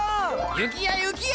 雪や雪や！